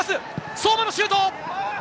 相馬のシュート！